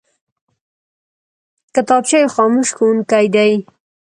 کتابچه یو خاموش ښوونکی دی